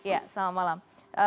ya selamat malam